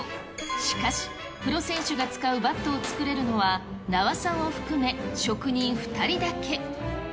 しかし、プロ選手が使うバットを作れるのは、名和さんを含め職人２人だけ。